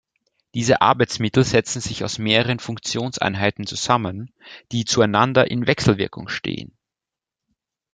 Diese Arbeitsmittel setzen sich aus mehreren Funktionseinheiten zusammen, die zueinander in Wechselwirkung stehen.